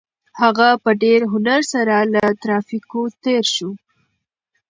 هغه په ډېر هنر سره له ترافیکو تېر شو.